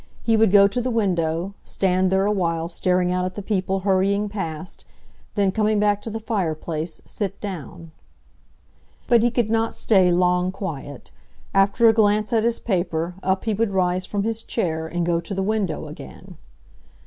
He would go to the window; stand there awhile staring out at the people hurrying past; then, coming back to the fireplace, sit down. But he could not stay long quiet. After a glance at his paper, up he would rise from his chair, and go to the window again.